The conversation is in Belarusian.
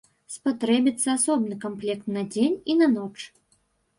Спатрэбіцца асобны камплект на дзень і на ноч.